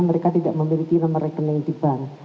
mereka tidak memiliki nomor rekening di bank